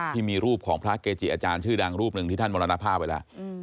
ที่มีรูปของพระเกจิอาจารย์ชื่อดังรูปหนึ่งที่ท่านมรณภาพไปแล้ว